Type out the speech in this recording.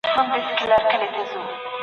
هغه مواد چي ګټور نه وو له څېړني لیري سول.